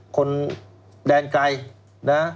คนแดนไกร